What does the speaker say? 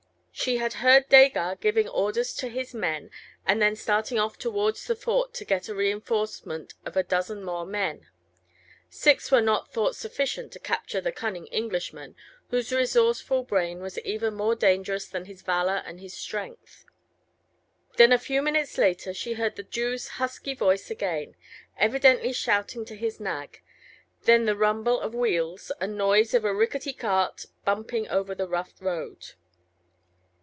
She had heard Desgas giving orders to his men, and then starting off towards the fort, to get a reinforcement of a dozen more men: six were not thought sufficient to capture the cunning Englishman, whose resourceful brain was even more dangerous than his valour and his strength. Then a few minutes later, she heard the Jew's husky voice again, evidently shouting to his nag, then the rumble of wheels, and noise of a rickety cart bumping over the rough road.